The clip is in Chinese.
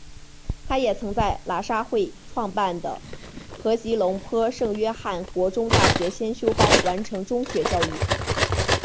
他也曾在喇沙会创办的和吉隆坡圣约翰国中大学先修班完成中学教育。